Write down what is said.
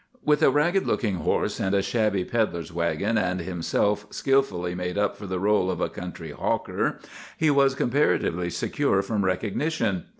"With a ragged looking horse and a shabby pedler's wagon, and himself skilfully made up for the rôle of a country hawker, he was comparatively secure from recognition.